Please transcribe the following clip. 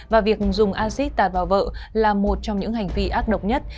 và việc dùng acid tạt vào vợ là một trong những hành vi ác độc nhất